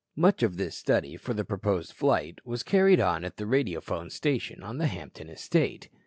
Much of this study for the proposed flight was carried on at the radiophone station on the Hampton estate.